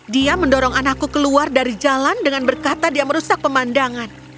dia mendorong anakku keluar dari jalan dengan berkata dia merusak pemandangan